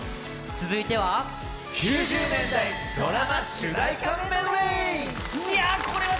続いては９０年代ドラマ主題歌メドレー。